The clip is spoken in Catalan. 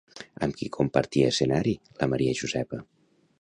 Amb qui compartia escenari la Maria Josepa?